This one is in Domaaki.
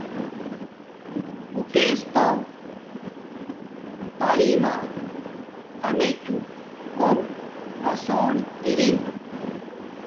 بوٹڎ تا تعلیم ما امیچو کُوم اسون اینگ